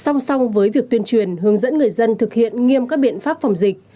song song với việc tuyên truyền hướng dẫn người dân thực hiện nghiêm các biện pháp phòng dịch